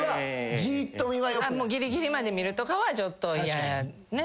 ぎりぎりまで見るとかはちょっと嫌やね。